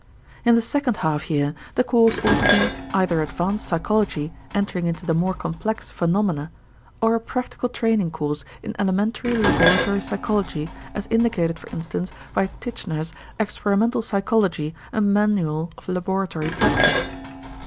In the second half year the course ought to be either advanced psychology entering into the more complex phenomena or a practical training course in elementary laboratory psychology as indicated for instance by Titchener's "Experimental Psychology. A Manual of Laboratory Practice."